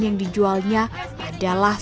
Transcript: yang dijualnya adalah